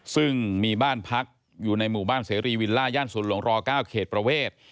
ซึ่งมีบ้านพักอยู่ในหมู่บ้านเสรีวิลล่าย่านศูนย์หลวงร๙เขตประเวท